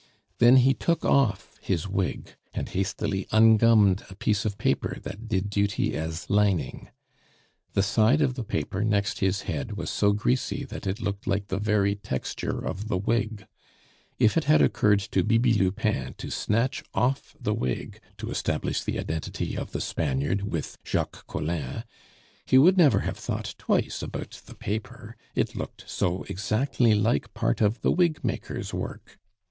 Then he took off his wig, and hastily ungummed a piece of paper that did duty as lining. The side of the paper next his head was so greasy that it looked like the very texture of the wig. If it had occurred to Bibi Lupin to snatch off the wig to establish the identity of the Spaniard with Jacques Collin, he would never have thought twice about the paper, it looked so exactly like part of the wigmaker's work.